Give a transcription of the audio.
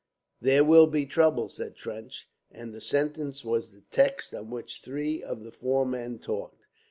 "There will be trouble," said Trench, and the sentence was the text on which three of the four men talked.